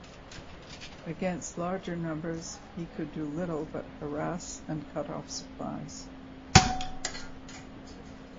Against larger numbers he could do little but harass and cut off supplies.